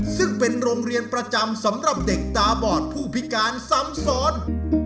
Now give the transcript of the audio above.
ซึ่งเป็นโรงเรียนประจำสำหรับเด็กตาบอดผู้พิการซ้ำซ้อน